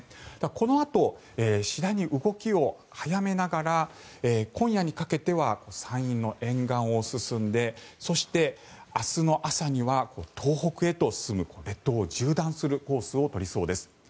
このあと次第に動きを速めながら今夜にかけては山陰の沿岸を進んでそして、明日の朝には東北へと進む列島を縦断するコースをとりそうです。